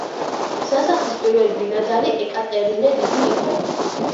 სასახლის პირველი ბინადარი ეკატერინე დიდი იყო.